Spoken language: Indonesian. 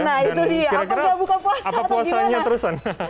nah itu dia apa nggak buka puasa atau gimana